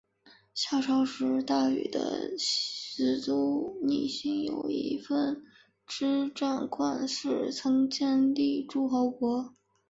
夏朝时大禹的氏族姒姓有一分支斟灌氏曾建立诸侯国。